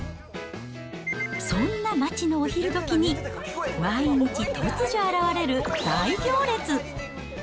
そんな街のお昼どきに、毎日、突如現れる大行列。